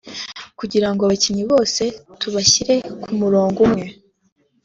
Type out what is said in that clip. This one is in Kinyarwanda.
kugira ngo abakinnyi bose tubashyire ku murongo umwe